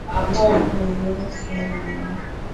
Nataka kuzungumza Kiswahili na wewe